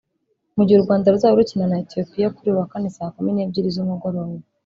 Mu gihe u Rwanda ruzaba rukina na Ethiopia kuri uyu wa Kane saa kumi n’ebyiri z’umugoroba